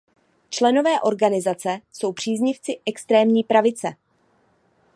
Členové organizace jsou příznivci extrémní pravice.